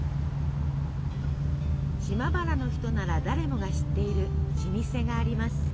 島原の人なら誰もが知っている老舗があります。